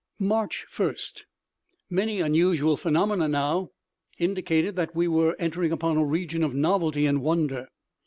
March 1st. {*7} Many unusual phenomena now—indicated that we were entering upon a region of novelty and wonder.